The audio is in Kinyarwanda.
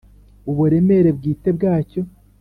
uburemere bwite bwacyo